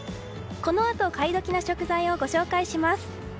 このあと買い時な食材をご紹介します。